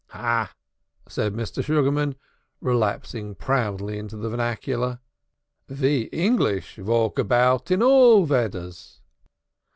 "Ah!" said Mr. Sugarman, relapsing proudly into the vernacular, "Ve English valk about in all vedders."